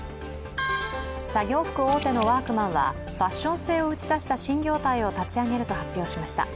作業服大手のワークマンはファッション性を打ち出した新業態を立ち上げると発表しました。